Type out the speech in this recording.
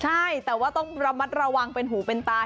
ใช่แต่ว่าต้องระมัดระวังเป็นหูเป็นตา